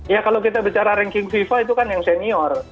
ya kalau kita bicara ranking fifa itu kan yang senior